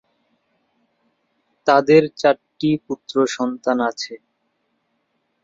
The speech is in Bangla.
তাদের চারটি পুত্রসন্তান আছে।